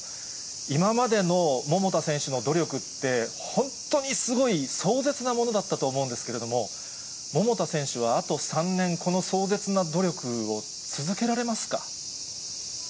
今までの桃田選手の努力って、本当にすごい、壮絶なものだったと思うんですけれども、桃田選手はあと３年、この壮絶な努力を続けられますか？